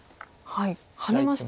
ハネました。